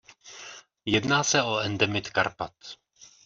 Jedná se o endemit Karpat.